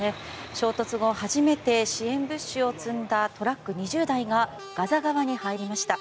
衝突後、初めて支援物資を積んだトラック２０台がガザ側に入りました。